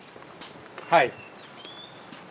はい。